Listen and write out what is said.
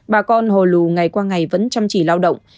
bà con hồ lù ngày qua ngày vẫn chăm chỉ lao động